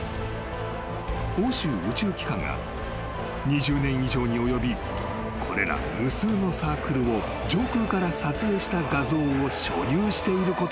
［欧州宇宙機関が２０年以上に及びこれら無数のサークルを上空から撮影した画像を所有していることが判明］